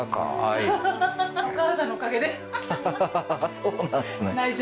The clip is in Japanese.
そうなんですね